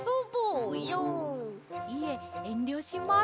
いええんりょします。